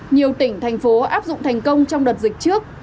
nhiều tỉnh thành phố áp dụng thành công trong đợt dịch trước